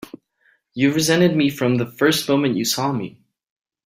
You've resented me from the first moment you saw me!